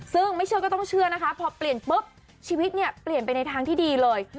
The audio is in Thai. ซึ่งไม่เชื่อก็ต้องเชื่อนะคะพอเปลี่ยนปุ๊บชีวิตเนี่ยเปลี่ยนไปในทางที่ดีเลย